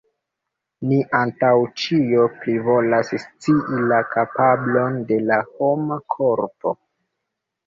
Ni antaŭ ĉio plivolas scii la kapablon de la homa korpo.